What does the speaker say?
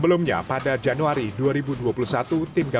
polisi menyebut pelaku bagian dari kelompok vila mutiara